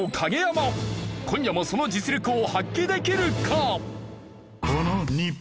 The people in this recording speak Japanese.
今夜もその実力を発揮できるか？